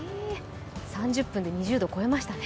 ３０分で２０度超えましたね。